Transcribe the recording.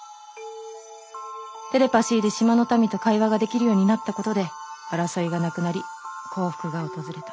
テレパシーで島の民と会話ができるようになったことで争いがなくなり幸福が訪れた。